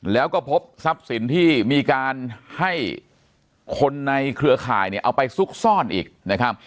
แล้วก็พบทรัพย์สินที่มีการให้คนในเครือข่ายเนี่ยเอาไปซุกซ่อนอีกนะครับ